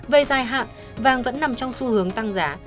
về dài hạn vàng vẫn nằm trong xu hướng tăng giá